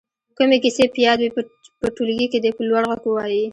کومې کیسې په یاد وي په ټولګي کې دې په لوړ غږ ووايي.